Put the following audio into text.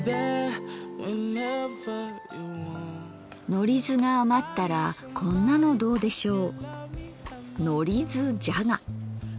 のりずが余ったらこんなのどうでしょう。